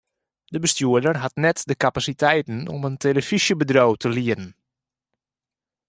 De bestjoerder hat net de kapasiteiten om in telefyzjebedriuw te lieden.